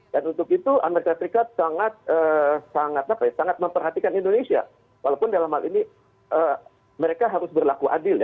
dan untuk itu amerika serikat sangat memperhatikan indonesia walaupun dalam hal ini mereka harus berlaku adil